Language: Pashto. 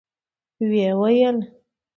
ويې ويل: